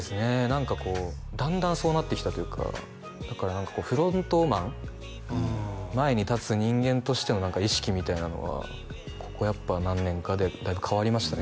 何かこうだんだんそうなってきたというかだから何かこうフロントマン前に立つ人間としての何か意識みたいなのがここやっぱ何年かでだいぶ変わりましたね